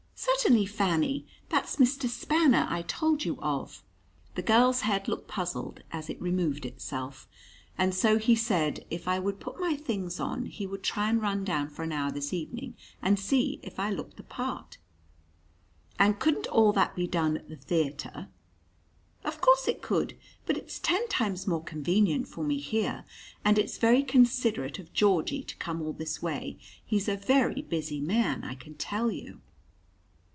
"Certainly, Fanny. That's Mr. Spanner I told you of " The girl's head looked puzzled as it removed itself. "And so he said if I would put my things on, he would try and run down for an hour this evening, and see if I looked the part." "And couldn't all that be done at the theatre?" "Of course it could. But it's ten times more convenient for me here. And it's very considerate of Georgie to come all this way he's a very busy man, I can tell you."